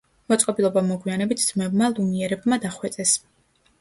მოწყობილობა მოგვიანებით ძმებმა ლუმიერებმა დახვეწეს.